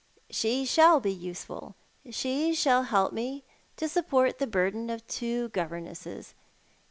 She shall be useful. She shall help me to support the burden of two governesses.